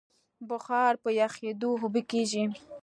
بخار په یخېدو اوبه کېږي.